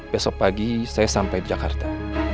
besok pagi saya sampai di jakarta